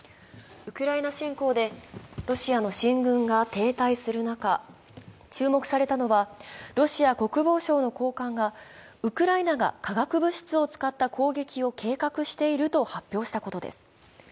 ウクライナ侵攻でロシアの進軍が停滞する中、注目されたのはロシア国防省の高官がウクライナが化学物質を使った攻撃を計画している発表したことです。